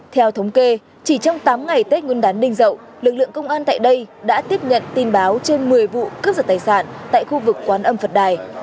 theo thống kê chỉ trong tám ngày tết nguyên đán đình dậu lực lượng công an tại đây đã tiếp nhận tin báo trên một mươi vụ cướp giật tài sản tại khu vực quán âm phật đài